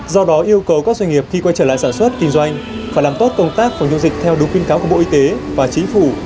do đó yêu cầu các doanh nghiệp khi quay trở lại sản xuất kinh doanh phải làm tốt công tác phòng chống dịch theo đúng khuyên cáo của bộ y tế và chính phủ